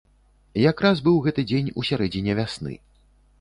Якраз быў гэты дзень у сярэдзіне вясны.